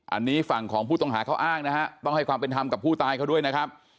อันนี้ฝั่งของผู้ต้องหาเขาอ้างนะฮะต้องให้ความเป็นธรรมกับผู้ตายเขาด้วยนะครับ